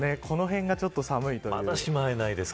このへんがちょっと寒いという。